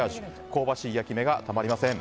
香ばしい焼き目がたまりません。